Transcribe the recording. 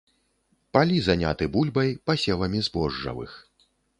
Палі заняты бульбай, пасевамі збожжавых.